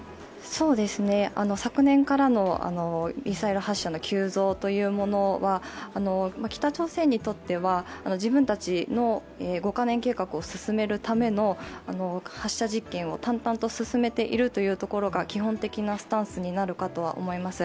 昨年からのミサイル発射の急増というものは北朝鮮にとっては自分たちの５か年計画を進めるための発射実験を淡々と進めているというところが基本的なスタンスになるかとは思います。